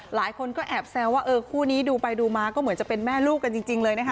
หลายคนก็แอบแซวว่าเออคู่นี้ดูไปดูมาก็เหมือนจะเป็นแม่ลูกกันจริงเลยนะคะ